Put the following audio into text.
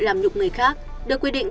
làm nhục người khác được quy định